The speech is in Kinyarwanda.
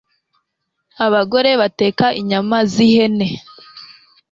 Abagore bateka inyama zihene